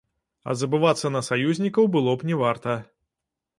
А забывацца на саюзнікаў было б не варта.